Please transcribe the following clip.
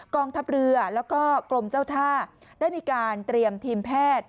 กองทัพเรือแล้วก็กรมเจ้าท่าได้มีการเตรียมทีมแพทย์